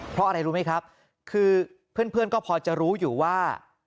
เพราะอะไรรู้ไหมครับคือเพื่อนก็พอจะรู้อยู่ว่า